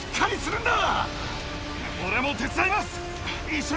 俺も手伝います。